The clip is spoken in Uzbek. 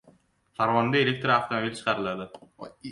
Farg‘onada elektromobil ishlab chiqariladi